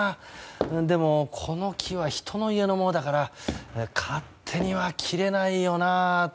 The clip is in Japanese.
でも、この木は人の家のものだから勝手には切れないよな。